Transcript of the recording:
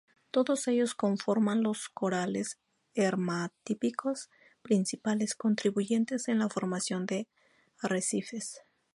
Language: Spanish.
Todos ellos conforman los corales hermatípicos, principales contribuyentes en la formación de arrecifes.